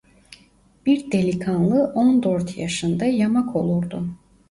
Bir delikanlı on dört yaşında yamak olurdu.